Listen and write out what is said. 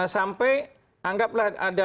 sampai anggaplah ada